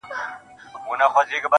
نو زما نصيب دې گراني وخت د ماځيگر ووهي,